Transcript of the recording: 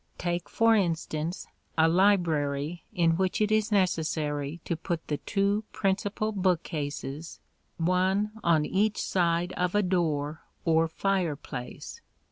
Take, for instance, a library in which it is necessary to put the two principal bookcases one on each side of a door or fireplace.